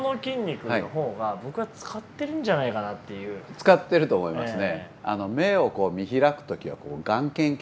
使ってると思いますね。